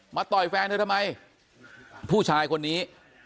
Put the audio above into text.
ต่อยแฟนเธอทำไมผู้ชายคนนี้